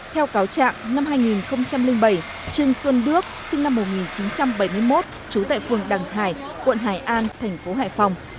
theo cáo trạng năm hai nghìn bảy trương xuân đước sinh năm một nghìn chín trăm bảy mươi một trú tại phường đằng hải quận hải an thành phố hải phòng